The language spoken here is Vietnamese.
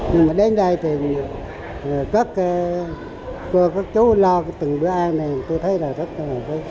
nhưng mà đến đây thì cất cái lụa các chú lo cái từng bữa ăn này tôi thấy là rất là vui